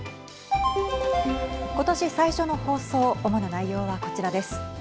今年最初の放送主な内容はこちらです。